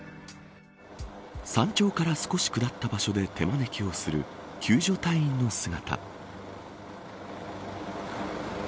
山頂から少し下った場所で手招きをする救助隊員の姿。